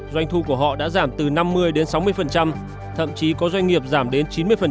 doanh thu của họ đã giảm từ năm mươi đến sáu mươi thậm chí có doanh nghiệp giảm đến chín mươi